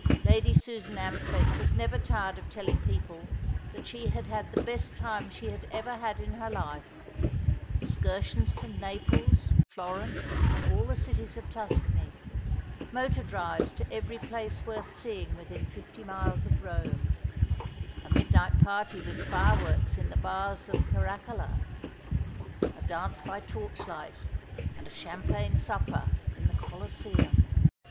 Lady Susan Amphlett was never tired of telling people that she had had the best time she had ever had in her life excursions to Naples, Florence, and all the cities of Tuscany; motor drives to every place worth seeing within fifty miles of Rome; a midnight party with fireworks in the Baths of Caracalla; a dance by torchlight, and a champagne supper, in the Colosseum.